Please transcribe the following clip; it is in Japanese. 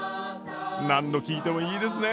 何度聴いてもいいですね